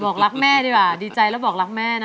บอกรักแม่ดีกว่าดีใจแล้วบอกรักแม่นะ